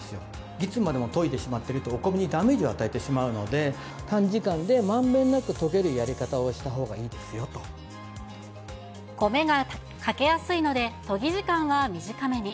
いつまでも研いでしまってると、お米にダメージを与えてしまうので、短時間でまんべんなく研げる米が欠けやすいので、研ぎ時間は短めに。